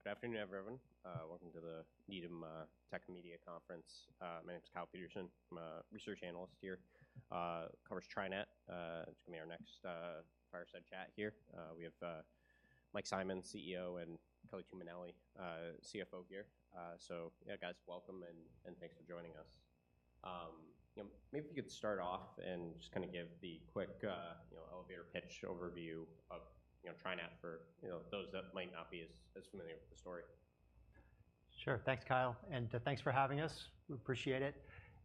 All right, good afternoon everyone. Welcome to the Needham Tech & Media Conference. My name's Kyle Peterson. I'm a research analyst here. It covers TriNet. It's gonna be our next fireside chat here. We have Mike Simonds, CEO, and Kelly Tuminelli, CFO here. So yeah, guys, welcome and, and thanks for joining us. You know, maybe if you could start off and just kinda give the quick, you know, elevator pitch overview of, you know, TriNet for, you know, those that might not be as, as familiar with the story. Sure, thanks Kyle, and thanks for having us. We appreciate it.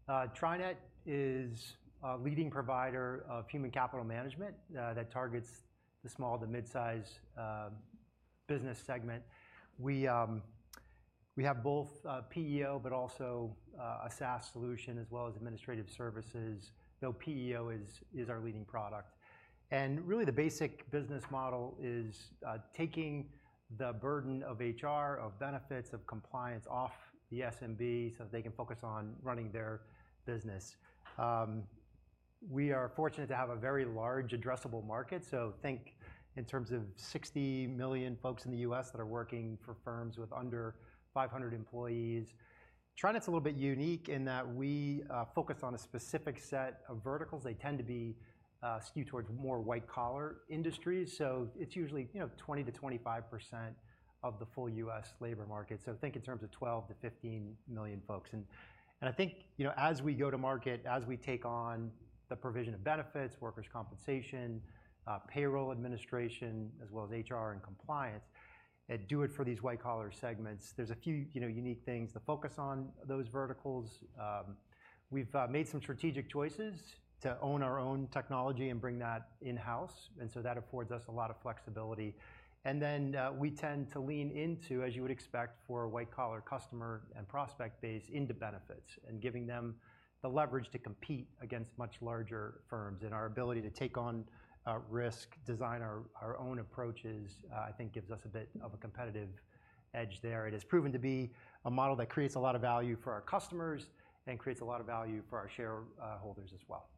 TriNet is a leading provider of human capital management that targets the small to midsize business segment. We have both PEO but also a SaaS solution as well as administrative services, though PEO is our leading product. Really the basic business model is taking the burden of HR, of benefits, of compliance off the SMB so that they can focus on running their business. We are fortunate to have a very large addressable market, so think in terms of 60 million folks in the U.S. that are working for firms with under 500 employees. TriNet's a little bit unique in that we focus on a specific set of verticals. They tend to be skewed towards more white-collar industries, so it's usually, you know, 20%-25% of the full U.S. labor market. So think in terms of 12-15 million folks. And I think, you know, as we go to market, as we take on the provision of benefits, workers' compensation, payroll administration, as well as HR and compliance, do it for these white-collar segments. There's a few, you know, unique things to focus on those verticals. We've made some strategic choices to own our own technology and bring that in-house, and so that affords us a lot of flexibility. And then, we tend to lean into, as you would expect for a white-collar customer and prospect base, into benefits and giving them the leverage to compete against much larger firms. And our ability to take on risk, design our own approaches, I think gives us a bit of a competitive edge there. It has proven to be a model that creates a lot of value for our customers and creates a lot of value for our shareholders as well.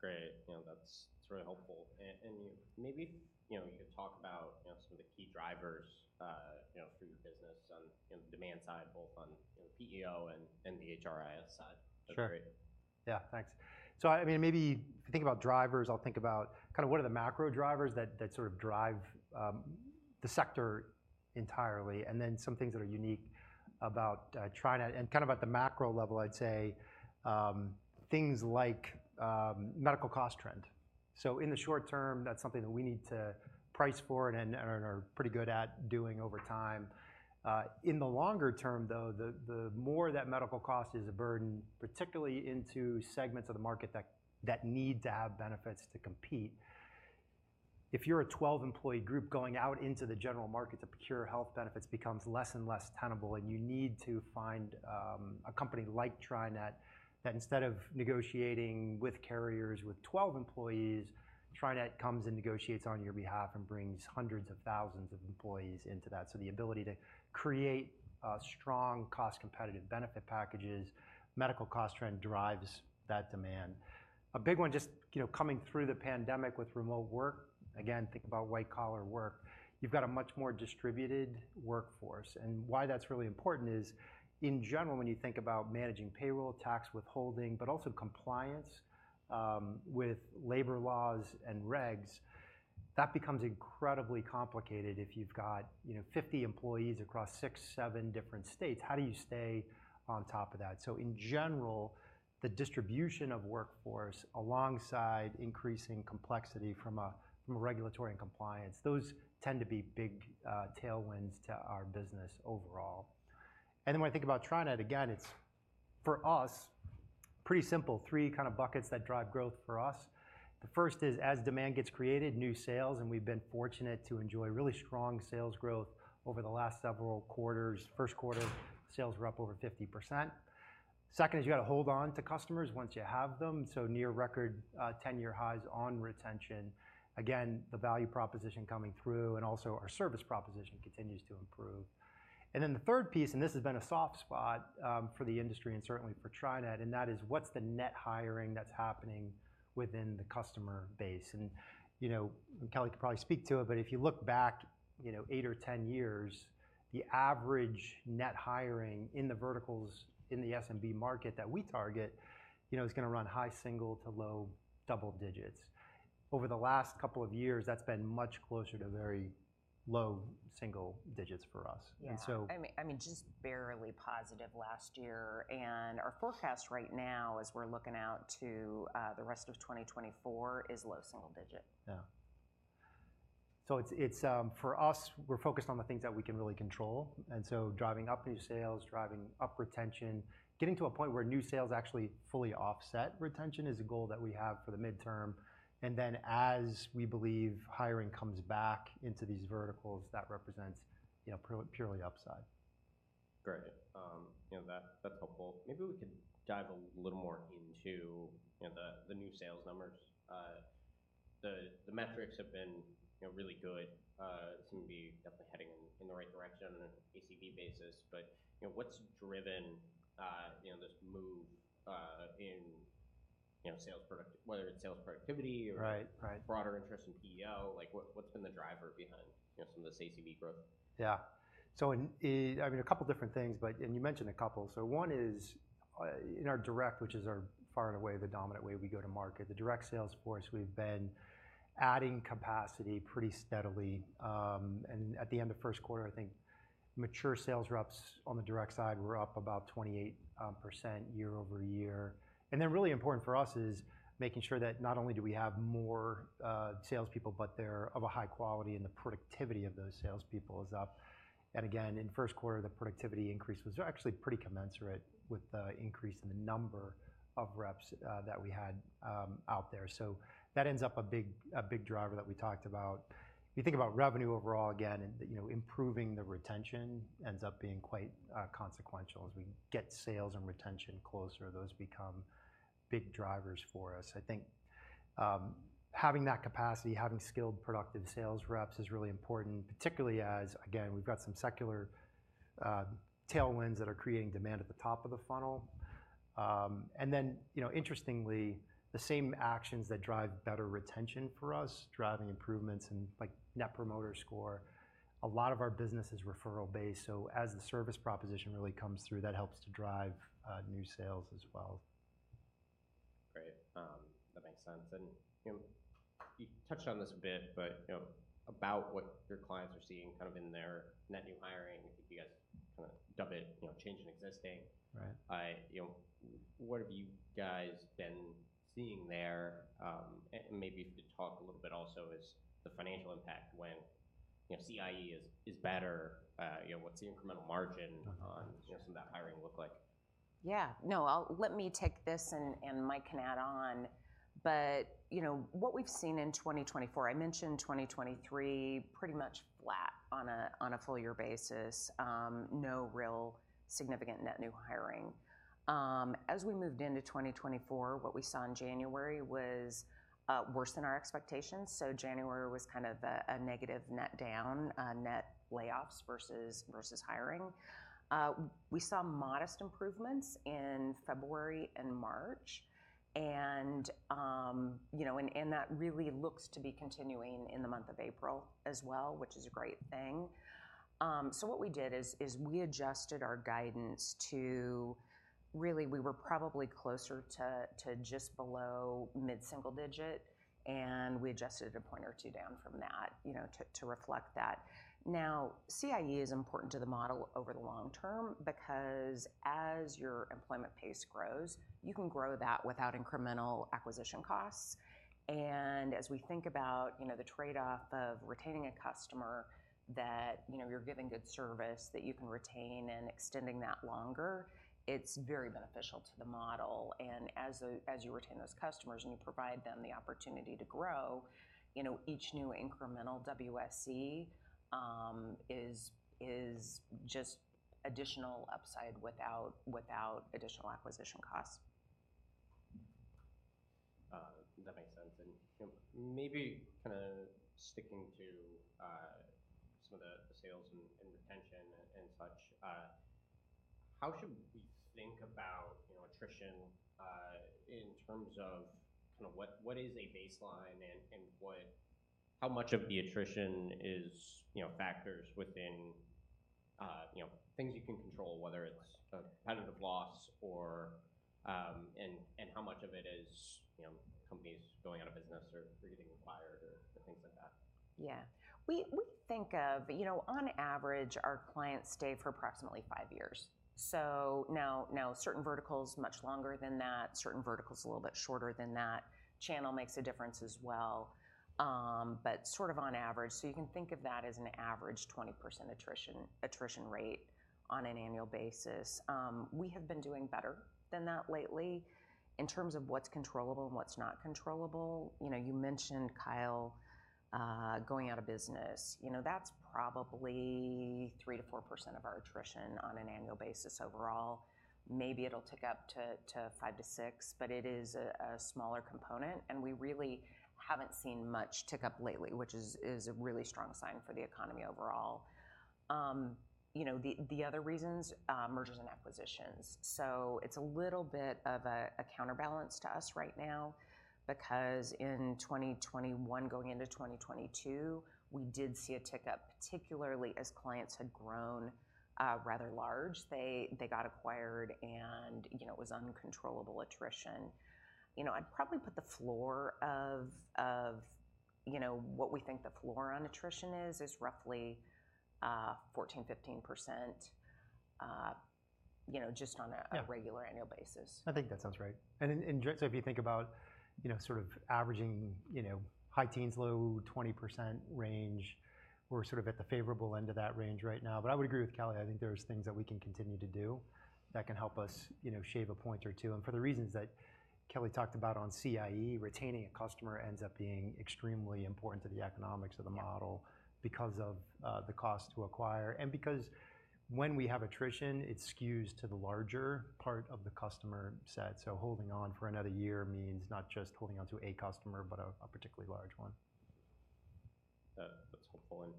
Great, you know, that's, that's really helpful. And maybe, you know, you could talk about, you know, some of the key drivers, you know, for your business on, you know, the PEO and, and the HRIS side. That'd be great. Sure. Yeah, thanks. So I mean, maybe if you think about drivers, I'll think about kinda what are the macro drivers that sort of drive the sector entirely, and then some things that are unique about TriNet. And kinda about the macro level, I'd say things like medical cost trend. So in the short term, that's something that we need to price for and are pretty good at doing over time. In the longer term, though, the more that medical cost is a burden, particularly into segments of the market that need to have benefits to compete. If you're a 12-employee group going out into the general market to procure health benefits, it becomes less and less tenable, and you need to find a company like TriNet that instead of negotiating with carriers with 12 employees, TriNet comes and negotiates on your behalf and brings hundreds of thousands of employees into that. So the ability to create strong cost-competitive benefit packages. Medical cost trend drives that demand. A big one, just you know, coming through the pandemic with remote work. Again, think about white-collar work. You've got a much more distributed workforce. And why that's really important is, in general, when you think about managing payroll, tax withholding, but also compliance, with labor laws and regs, that becomes incredibly complicated if you've got, you know, 50 employees across 6-7 different states. How do you stay on top of that? So in general, the distribution of workforce alongside increasing complexity from a regulatory and compliance, those tend to be big, tailwinds to our business overall. And then when I think about TriNet, again, it's, for us, pretty simple, 3 kinda buckets that drive growth for us. The first is as demand gets created, new sales, and we've been fortunate to enjoy really strong sales growth over the last several quarters. First quarter, sales were up over 50%. Second is you gotta hold on to customers once you have them, so near record, 10-year highs on retention. Again, the value proposition coming through and also our service proposition continues to improve. And then the third piece, and this has been a soft spot, for the industry and certainly for TriNet, and that is what's the net hiring that's happening within the customer base. And, you know, and Kyle could probably speak to it, but if you look back, you know, 8 or 10 years, the average net hiring in the verticals in the SMB market that we target, you know, is gonna run high single to low double digits. Over the last couple of years, that's been much closer to very low single digits for us. And so. Yeah, I mean, just barely positive last year, and our forecast right now as we're looking out to the rest of 2024 is low single digit. Yeah. So it's for us, we're focused on the things that we can really control, and so driving up new sales, driving up retention, getting to a point where new sales actually fully offset retention is a goal that we have for the midterm. And then as we believe hiring comes back into these verticals, that represents, you know, purely upside. Great, you know, that that's helpful. Maybe we could dive a little more into, you know, the new sales numbers. The metrics have been, you know, really good. Seem to be definitely heading in the right direction on an ACV basis, but, you know, what's driven, you know, this move in sales productivity, whether it's sales productivity or. Right, right. Broader interest in PEO, like what, what's been the driver behind, you know, some of this ACV growth? Yeah. So I mean, a couple different things, and you mentioned a couple. So one is, in our direct, which is our far and away the dominant way we go to market, the direct sales force, we've been adding capacity pretty steadily. And at the end of first quarter, I think mature sales reps on the direct side were up about 28% year-over-year. And then really important for us is making sure that not only do we have more salespeople, but they're of a high quality and the productivity of those salespeople is up. And again, in first quarter, the productivity increase was actually pretty commensurate with the increase in the number of reps that we had out there. So that ends up a big driver that we talked about. If you think about revenue overall again, and, you know, improving the retention ends up being quite consequential. As we get sales and retention closer, those become big drivers for us. I think, having that capacity, having skilled productive sales reps is really important, particularly as, again, we've got some secular tailwinds that are creating demand at the top of the funnel. And then, you know, interestingly, the same actions that drive better retention for us, driving improvements in, like, Net Promoter Score, a lot of our business is referral-based, so as the service proposition really comes through, that helps to drive new sales as well. Great, that makes sense. And, you know, you touched on this a bit, but, you know, about what your clients are seeing kind of in their net new hiring, I think you guys kinda dub it, you know, Change in Existing. Right. You know, what have you guys been seeing there? And maybe if you could talk a little bit, also, is the financial impact when, you know, CIE is better, you know, what's the incremental margin on, you know, some of that hiring look like? Yeah, no, I'll let Mike take this and, and Mike can add on. But, you know, what we've seen in 2024, I mentioned 2023, pretty much flat on a on a full-year basis, no real significant net new hiring. As we moved into 2024, what we saw in January was worse than our expectations, so January was kind of a negative net down, net layoffs versus versus hiring. We saw modest improvements in February and March, and, you know, and that really looks to be continuing in the month of April as well, which is a great thing. So what we did is we adjusted our guidance to really we were probably closer to just below mid-single digit, and we adjusted it a point or two down from that, you know, to reflect that. Now, CIE is important to the model over the long term because as your employment pace grows, you can grow that without incremental acquisition costs. And as we think about, you know, the trade-off of retaining a customer that, you know, you're giving good service, that you can retain and extending that longer, it's very beneficial to the model. And as you retain those customers and you provide them the opportunity to grow, you know, each new incremental WSE is just additional upside without additional acquisition costs. That makes sense. And, you know, maybe kinda sticking to some of the sales and retention and such, how should we think about, you know, attrition, in terms of kinda what is a baseline and how much of the attrition is, you know, factors within things you can control, whether it's a competitive loss or and how much of it is, you know, companies going out of business or getting acquired or things like that? Yeah. We think of, you know, on average, our clients stay for approximately five years. So now certain verticals much longer than that, certain verticals a little bit shorter than that. Channel makes a difference as well, but sort of on average. So you can think of that as an average 20% attrition rate on an annual basis. We have been doing better than that lately in terms of what's controllable and what's not controllable. You know, you mentioned, Kelly, going out of business. You know, that's probably 3%-4% of our attrition on an annual basis overall. Maybe it'll tick up to 5-6, but it is a smaller component, and we really haven't seen much tick up lately, which is a really strong sign for the economy overall. You know, the other reasons, mergers and acquisitions. So it's a little bit of a counterbalance to us right now because in 2021, going into 2022, we did see a tick up, particularly as clients had grown rather large. They got acquired, and, you know, it was uncontrollable attrition. You know, I'd probably put the floor of what we think the floor on attrition is roughly 14%-15%, you know, just on a regular annual basis. Yeah, I think that sounds right. And indirectly, so if you think about, you know, sort of averaging, you know, high teens-low 20% range, we're sort of at the favorable end of that range right now. But I would agree with Kyle. I think there's things that we can continue to do that can help us, you know, shave a point or two, and for the reasons that Kyle talked about on CIE, retaining a customer ends up being extremely important to the economics of the model because of the cost to acquire and because when we have attrition, it skews to the larger part of the customer set. So holding on for another year means not just holding on to a customer, but a particularly large one. That's helpful. And,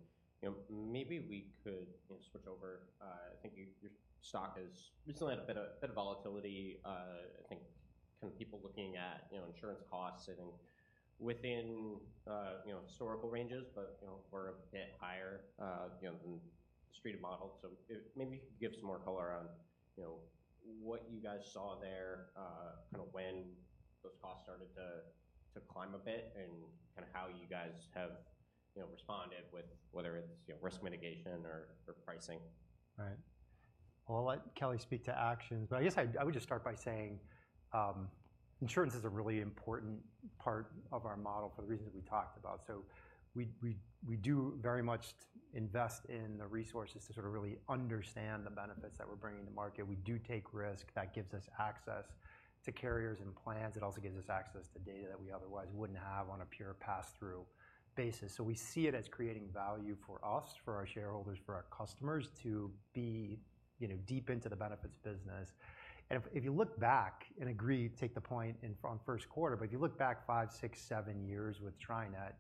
you know, maybe we could, you know, switch over. I think your, your stock has recently had a bit of, bit of volatility. I think kinda people looking at, you know, insurance costs, I think, within, you know, historical ranges, but, you know, were a bit higher, you know, than the Street's model. So it maybe you could give some more color on, you know, what you guys saw there, kinda when those costs started to, to climb a bit and kinda how you guys have, you know, responded with whether it's, you know, risk mitigation or, or pricing. Right. Well, I'll let Kelly speak to actions, but I guess I would just start by saying, insurance is a really important part of our model for the reasons that we talked about. So we do very much to invest in the resources to sort of really understand the benefits that we're bringing to market. We do take risk. That gives us access to carriers and plans. It also gives us access to data that we otherwise wouldn't have on a pure pass-through basis. So we see it as creating value for us, for our shareholders, for our customers to be, you know, deep into the benefits business. And if you look back and agree, take the point I made on first quarter, but if you look back five, six, seven years with TriNet,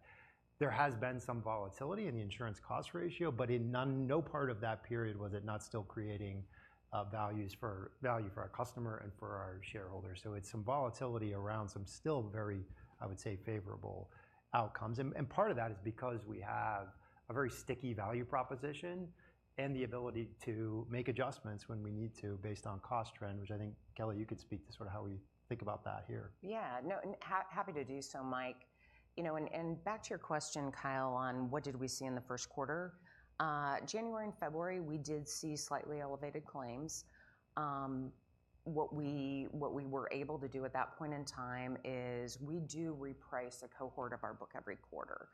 there has been some volatility in the insurance cost ratio, but in no part of that period was it not still creating value for our customer and for our shareholders. So it's some volatility around some still very, I would say, favorable outcomes. And part of that is because we have a very sticky value proposition and the ability to make adjustments when we need to based on cost trend, which I think, Kyle, you could speak to sort of how we think about that here. Yeah, no, and happy to do so, Mike. You know, back to your question, Kyle, on what did we see in the first quarter. January and February, we did see slightly elevated claims. What we were able to do at that point in time is we do reprice a cohort of our book every quarter,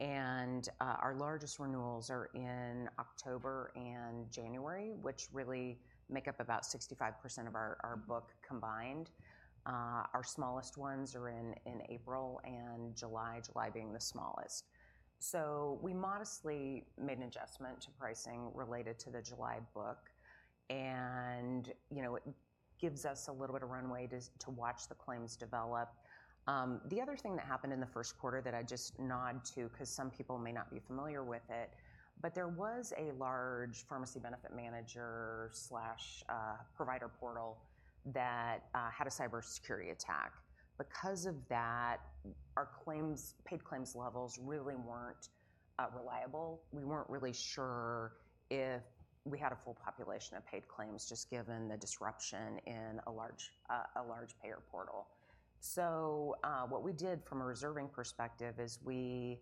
and our largest renewals are in October and January, which really make up about 65% of our book combined. Our smallest ones are in April and July, July being the smallest. So we modestly made an adjustment to pricing related to the July book, and you know, it gives us a little bit of runway to watch the claims develop. The other thing that happened in the first quarter that I'd just nod to 'cause some people may not be familiar with it, but there was a large pharmacy benefit manager, provider portal that had a cybersecurity attack. Because of that, our claims paid claims levels really weren't reliable. We weren't really sure if we had a full population of paid claims just given the disruption in a large payer portal. So, what we did from a reserving perspective is we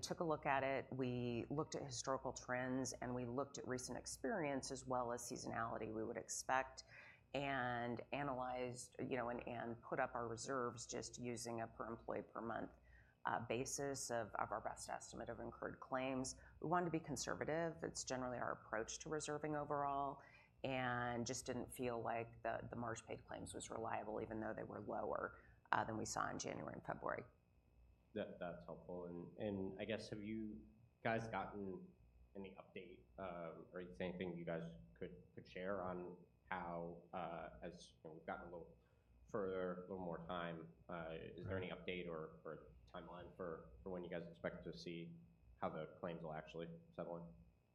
took a look at it. We looked at historical trends, and we looked at recent experience as well as seasonality we would expect and analyzed, you know, and put up our reserves just using a per employee per month basis of our best estimate of incurred claims. We wanted to be conservative. It's generally our approach to reserving overall and just didn't feel like the March paid claims was reliable even though they were lower than we saw in January and February. That, that's helpful. And I guess have you guys gotten any update, or anything you guys could share on how, as you know, we've gotten a little further, a little more time, is there any update or timeline for when you guys expect to see how the claims will actually settle in?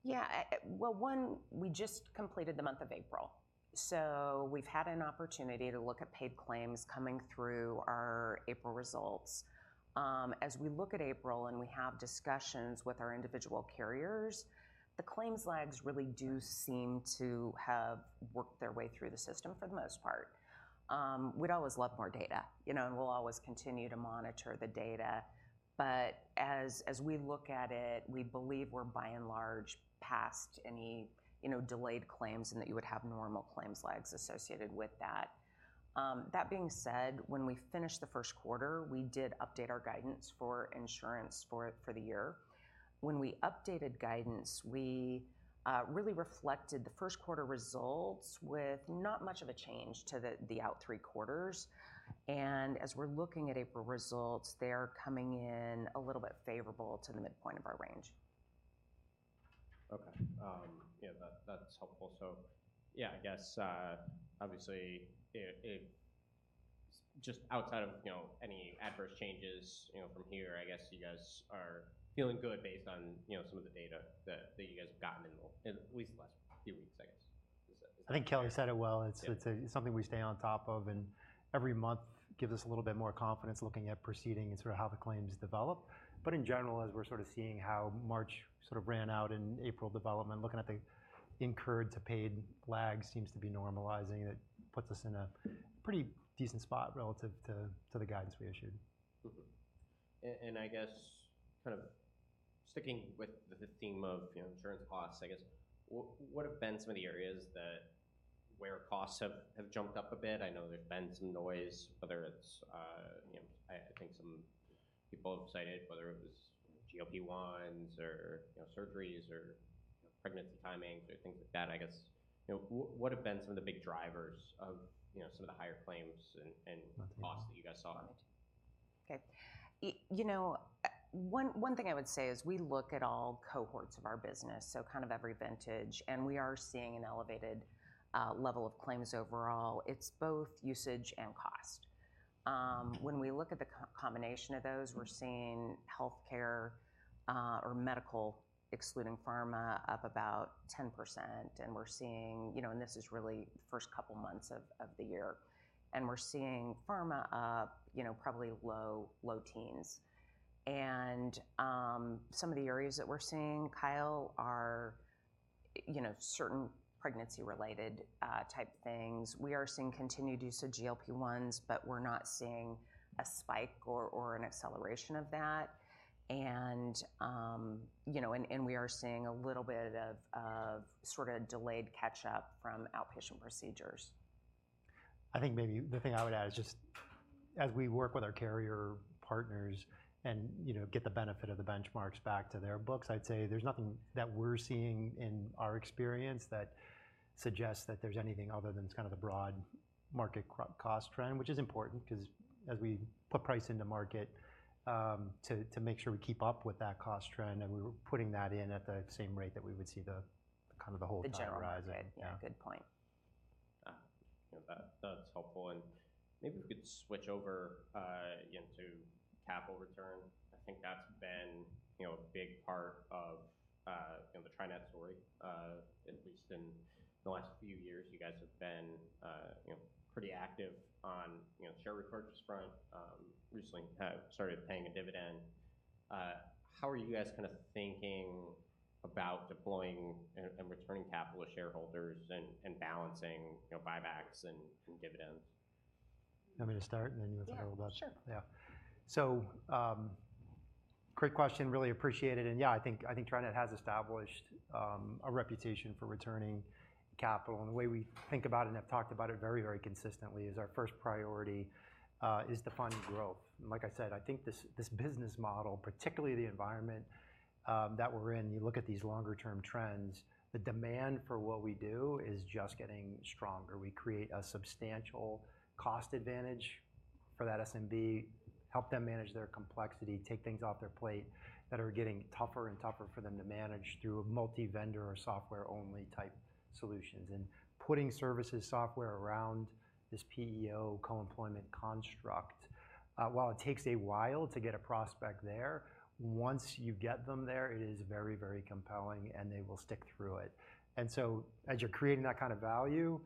Yeah, well, one, we just completed the month of April, so we've had an opportunity to look at paid claims coming through our April results. As we look at April and we have discussions with our individual carriers, the claims lags really do seem to have worked their way through the system for the most part. We'd always love more data, you know, and we'll always continue to monitor the data, but as, as we look at it, we believe we're by and large past any, you know, delayed claims and that you would have normal claims lags associated with that. That being said, when we finished the first quarter, we did update our guidance for insurance for, for the year. When we updated guidance, we, really reflected the first quarter results with not much of a change to the, the out three quarters. As we're looking at April results, they are coming in a little bit favorable to the midpoint of our range. Okay. Yeah, that's helpful. So yeah, I guess, obviously, it's just outside of, you know, any adverse changes, you know, from here, I guess you guys are feeling good based on, you know, some of the data that you guys have gotten in the last, at least the last few weeks, I guess. Is that? I think Kelly said it well. It's something we stay on top of, and every month gives us a little bit more confidence looking at proceeding and sort of how the claims develop. But in general, as we're sort of seeing how March sort of ran out in April development, looking at the incurred to paid lags seems to be normalizing. It puts us in a pretty decent spot relative to the guidance we issued. And I guess kind of sticking with the theme of, you know, insurance costs, I guess, what have been some of the areas where costs have jumped up a bit? I know there's been some noise, whether it's, you know, I think some people have cited whether it was, you know, GLP-1s or, you know, surgeries or, you know, pregnancy timings or things like that, I guess. You know, what have been some of the big drivers of, you know, some of the higher claims and. Not too many. Costs that you guys saw? Not too many. Okay. You know, one thing I would say is we look at all cohorts of our business, so kind of every vintage, and we are seeing an elevated level of claims overall. It's both usage and cost. When we look at the combination of those, we're seeing healthcare, or medical excluding pharma up about 10%, and we're seeing, you know, and this is really the first couple months of the year, and we're seeing pharma up, you know, probably low teens. And, some of the areas that we're seeing, Kyle, are, you know, certain pregnancy-related type things. We are seeing continued use of GLP-1s, but we're not seeing a spike or an acceleration of that. And, you know, and we are seeing a little bit of sort of delayed catch-up from outpatient procedures. I think maybe the thing I would add is just as we work with our carrier partners and, you know, get the benefit of the benchmarks back to their books. I'd say there's nothing that we're seeing in our experience that suggests that there's anything other than kind of the broad market true cost trend, which is important 'cause as we put price into market, to, to make sure we keep up with that cost trend, and we were putting that in at the same rate that we would see the, the kind of the whole time horizon. The general rate, yeah. Good point. You know, that, that's helpful. And maybe if we could switch over, you know, to capital return. I think that's been, you know, a big part of, you know, the TriNet story, at least in the last few years. You guys have been, you know, pretty active on, you know, share repurchase front, recently have started paying a dividend. How are you guys kinda thinking about deploying and, and returning capital to shareholders and, and balancing, you know, buybacks and, and dividends? You want me to start, and then you want to follow up? Yeah, sure. Yeah. So, great question. Really appreciate it. And yeah, I think, I think TriNet has established a reputation for returning capital. And the way we think about it and have talked about it very, very consistently is our first priority, is to fund growth. And like I said, I think this, this business model, particularly the environment that we're in, you look at these longer-term trends, the demand for what we do is just getting stronger. We create a substantial cost advantage for that SMB, help them manage their complexity, take things off their plate that are getting tougher and tougher for them to manage through a multi-vendor or software-only type solutions. And putting services software around this PEO co-employment construct, while it takes a while to get a prospect there, once you get them there, it is very, very compelling, and they will stick through it. As you're creating that kind of value,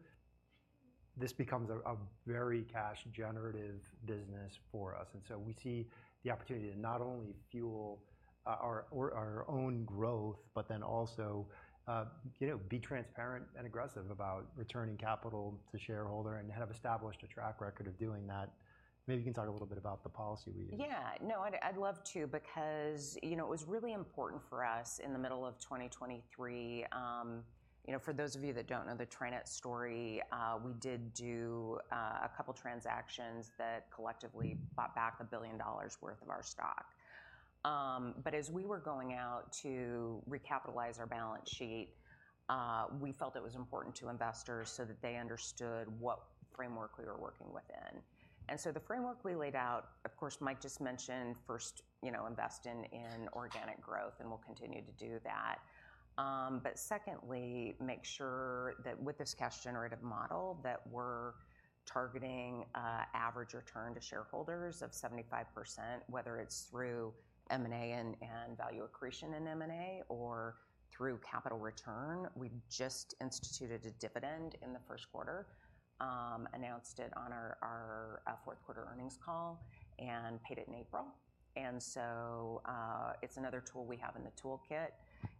this becomes a very cash-generative business for us. We see the opportunity to not only fuel our own growth but then also, you know, be transparent and aggressive about returning capital to shareholder and have established a track record of doing that. Maybe you can talk a little bit about the policy we use. Yeah, no, I'd, I'd love to because, you know, it was really important for us in the middle of 2023. You know, for those of you that don't know the TriNet story, we did do a couple transactions that collectively bought back $1 billion worth of our stock. But as we were going out to recapitalize our balance sheet, we felt it was important to investors so that they understood what framework we were working within. And so the framework we laid out, of course, Mike just mentioned first, you know, invest in, in organic growth, and we'll continue to do that. but secondly, make sure that with this cash-generative model that we're targeting, average return to shareholders of 75%, whether it's through M&A and, and value accretion in M&A or through capital return, we just instituted a dividend in the first quarter, announced it on our, our, fourth-quarter earnings call, and paid it in April. So, it's another tool we have in the toolkit.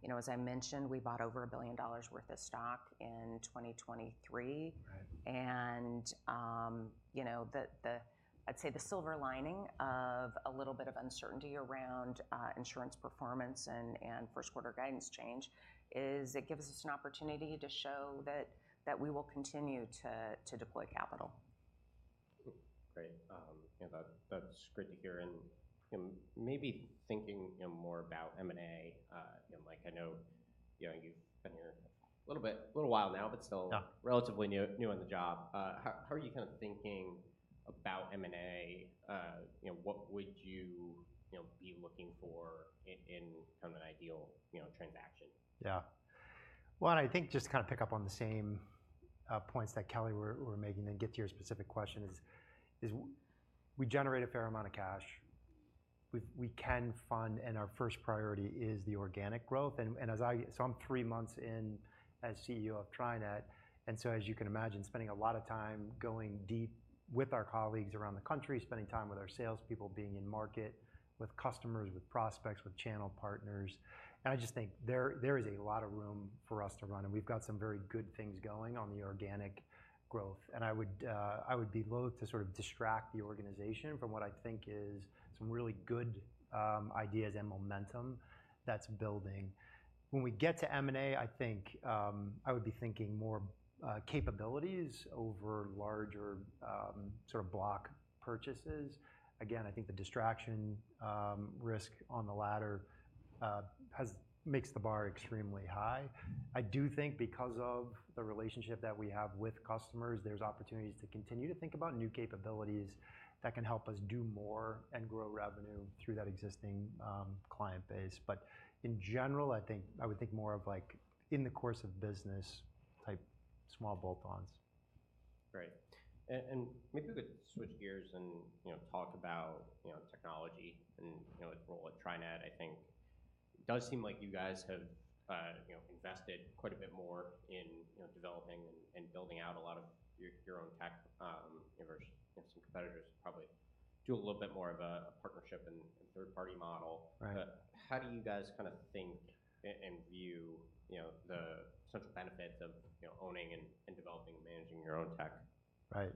You know, as I mentioned, we bought over $1 billion worth of stock in 2023. Right. You know, I'd say the silver lining of a little bit of uncertainty around insurance performance and first-quarter guidance change is it gives us an opportunity to show that we will continue to deploy capital. Great. You know, that, that's great to hear. And, you know, maybe thinking, you know, more about M&A, you know, Mike, I know, you know, you've been here a little bit a little while now but still. Yeah. Relatively new on the job. How are you kinda thinking about M&A? You know, what would you, you know, be looking for in kind of an ideal, you know, transaction? Yeah. Well, and I think just kinda pick up on the same points that Kyle was making and get to your specific question. Is we generate a fair amount of cash. We can fund, and our first priority is the organic growth. And as I'm three months in as CEO of TriNet. And so as you can imagine, spending a lot of time going deep with our colleagues around the country, spending time with our salespeople, being in market with customers, with prospects, with channel partners. And I just think there is a lot of room for us to run, and we've got some very good things going on the organic growth. And I would be loath to sort of distract the organization from what I think is some really good ideas and momentum that's building. When we get to M&A, I think I would be thinking more capabilities over larger, sort of block purchases. Again, I think the distraction risk on the latter has made the bar extremely high. I do think because of the relationship that we have with customers, there's opportunities to continue to think about new capabilities that can help us do more and grow revenue through that existing client base. But in general, I think I would think more of, like, in the course of business type small bolt-ons. Great. And maybe we could switch gears and, you know, talk about, you know, technology and, you know, its role at TriNet. I think it does seem like you guys have, you know, invested quite a bit more in, you know, developing and building out a lot of your own tech, you know, versus, you know, some competitors probably do a little bit more of a partnership and third-party model. Right. But how do you guys kinda think and view, you know, the essential benefits of, you know, owning and developing and managing your own tech? Right.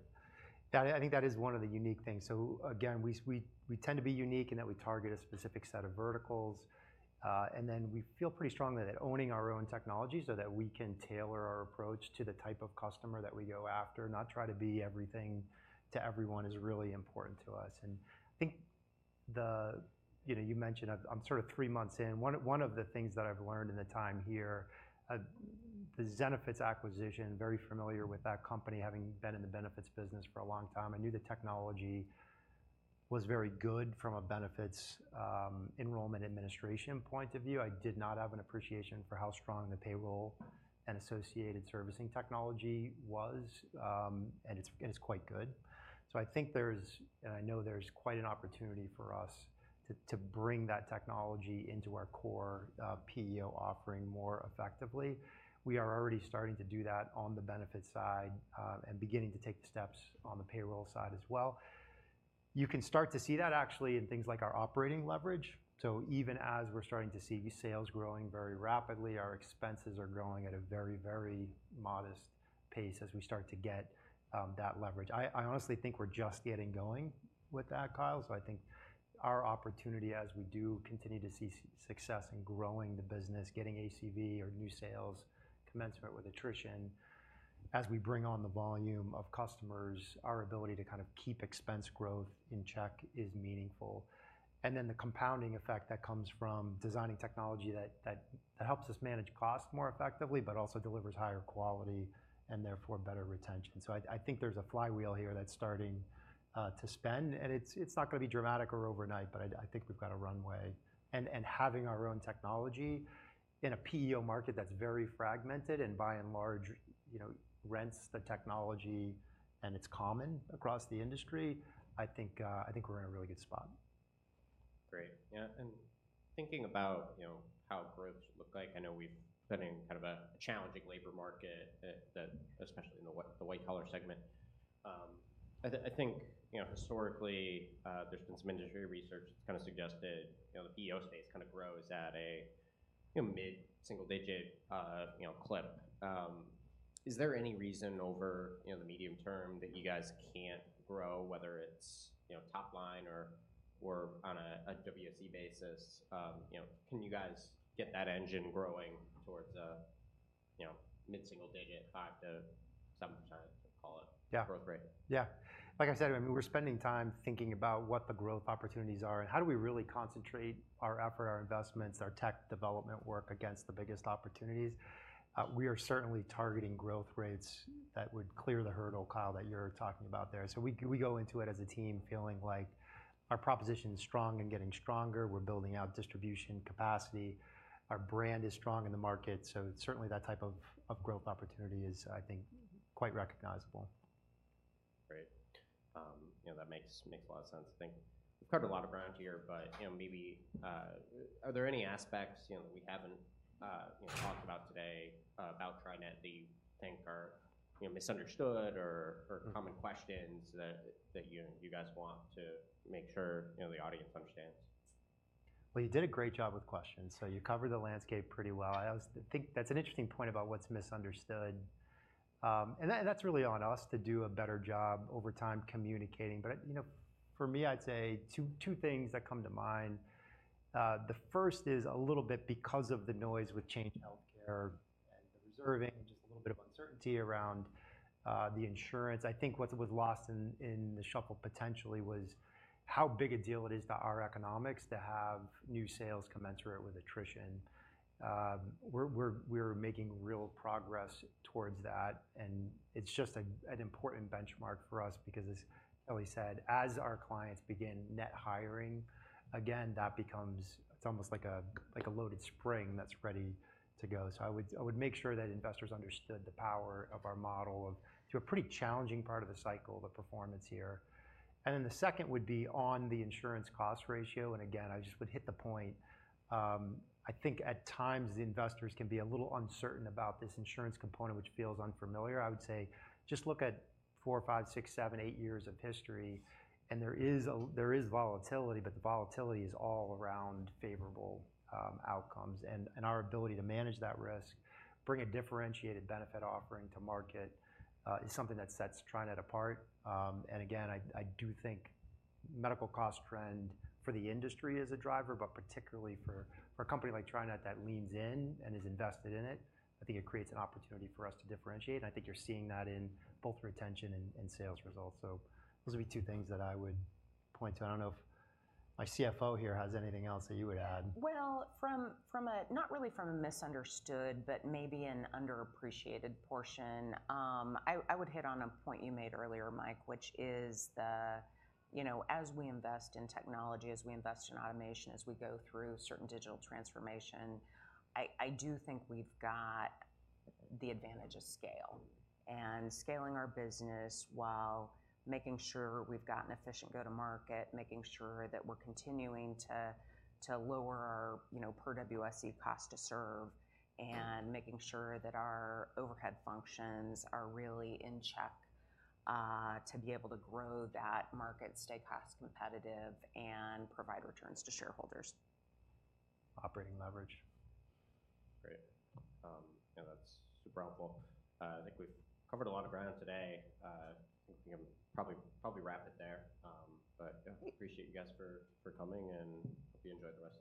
Yeah, I think that is one of the unique things. So again, we tend to be unique in that we target a specific set of verticals. And then we feel pretty strongly that owning our own technology so that we can tailor our approach to the type of customer that we go after, not try to be everything to everyone is really important to us. And I think the, you know, you mentioned I'm sort of three months in. One of the things that I've learned in the time here, the Zenefits acquisition, very familiar with that company having been in the benefits business for a long time. I knew the technology was very good from a benefits enrollment administration point of view. I did not have an appreciation for how strong the payroll and associated servicing technology was, and it's quite good. So I think, and I know, there's quite an opportunity for us to bring that technology into our core PEO offering more effectively. We are already starting to do that on the benefits side, and beginning to take the steps on the payroll side as well. You can start to see that actually in things like our operating leverage. So even as we're starting to see sales growing very rapidly, our expenses are growing at a very, very modest pace as we start to get that leverage. I honestly think we're just getting going with that, Kyle. So I think our opportunity as we do continue to see success in growing the business, getting ACV or new sales commencement with attrition, as we bring on the volume of customers, our ability to kind of keep expense growth in check is meaningful. And then the compounding effect that comes from designing technology that helps us manage cost more effectively but also delivers higher quality and therefore better retention. So I think there's a flywheel here that's starting to spin, and it's not gonna be dramatic or overnight, but I think we've got a runway. And having our own technology in a PEO market that's very fragmented and by and large, you know, rents the technology, and it's common across the industry, I think we're in a really good spot. Great. Yeah. And thinking about, you know, how growth should look like, I know we've been in kind of a challenging labor market, that especially in the white-collar segment. I think, you know, historically, there's been some industry research that's kinda suggested, you know, the PEO space kinda grows at a, you know, mid-single-digit, you know, clip. Is there any reason over, you know, the medium term that you guys can't grow, whether it's, you know, top line or, or on a WSE basis? You know, can you guys get that engine growing towards a, you know, mid-single-digit, 5%-7%, call it. Yeah. Growth rate? Yeah. Like I said, I mean, we're spending time thinking about what the growth opportunities are and how do we really concentrate our effort, our investments, our tech development work against the biggest opportunities. We are certainly targeting growth rates that would clear the hurdle, Kelly, that you're talking about there. So we, we go into it as a team feeling like our proposition is strong and getting stronger. We're building out distribution capacity. Our brand is strong in the market. So certainly, that type of, of growth opportunity is, I think, quite recognizable. Great. You know, that makes a lot of sense. I think we've covered a lot of ground here, but, you know, maybe, are there any aspects, you know, that we haven't, you know, talked about today, about TriNet that you think are, you know, misunderstood or common questions that you guys want to make sure, you know, the audience understands? Well, you did a great job with questions. So you covered the landscape pretty well. I always think that's an interesting point about what's misunderstood. And that, and that's really on us to do a better job over time communicating. But I, you know, for me, I'd say two, two things that come to mind. The first is a little bit because of the noise with change in healthcare and the reserving and just a little bit of uncertainty around the insurance. I think what was lost in the shuffle potentially was how big a deal it is to our economics to have new sales commencement with attrition. We're making real progress towards that, and it's just an important benchmark for us because, as Kelly said, as our clients begin net hiring again, that becomes it's almost like a loaded spring that's ready to go. So I would make sure that investors understood the power of our model through a pretty challenging part of the cycle, the performance here. And then the second would be on the insurance cost ratio. And again, I just would hit the point. I think at times, the investors can be a little uncertain about this insurance component, which feels unfamiliar. I would say just look at 4, 5, 6, 7, 8 years of history, and there is volatility, but the volatility is all around favorable outcomes. And our ability to manage that risk, bring a differentiated benefit offering to market, is something that sets TriNet apart. And again, I do think medical cost trend for the industry is a driver, but particularly for a company like TriNet that leans in and is invested in it, I think it creates an opportunity for us to differentiate. And I think you're seeing that in both retention and sales results. So those would be two things that I would point to. I don't know if my CFO here has anything else that you would add. Well, from a not really misunderstood but maybe an underappreciated portion, I would hit on a point you made earlier, Mike, which is, you know, as we invest in technology, as we invest in automation, as we go through certain digital transformation, I do think we've got the advantage of scale. And scaling our business while making sure we've got an efficient go-to-market, making sure that we're continuing to lower our, you know, per WSE cost to serve, and making sure that our overhead functions are really in check, to be able to grow that market, stay cost-competitive, and provide returns to shareholders. Operating leverage. Great. You know, that's super helpful. I think we've covered a lot of ground today. I think we can probably, probably wrap it there. But yeah. Thank you. Appreciate you guys for coming, and hope you enjoyed the live.